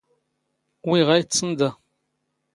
ⵡⵉ ⵖⴰ ⵉⵟⵟⵚⵏ ⴷⴰ?